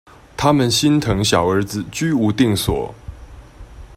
他們心疼小兒子居無定所